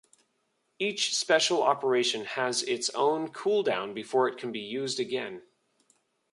Each Special Operation has its own cooldown before it can be used again.